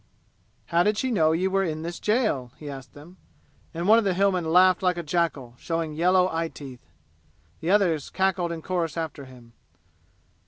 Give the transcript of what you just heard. "How did she know ye were in this jail?" he asked them, and one of the Hillmen laughed like a jackal, showing yellow eye teeth. The others cackled in chorus after him.